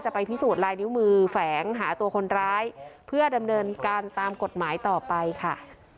ไปพิสูจน์ลายนิ้วมือแฝงหาตัวคนร้ายเพื่อดำเนินการตามกฎหมายต่อไปค่ะ